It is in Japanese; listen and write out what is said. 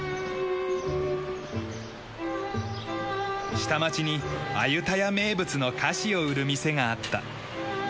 下町にアユタヤ名物の菓子を売る店があった。